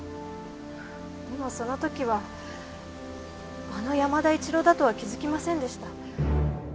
でもその時はあの山田一郎だとは気づきませんでした。